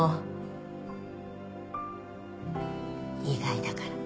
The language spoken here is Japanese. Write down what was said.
意外だから。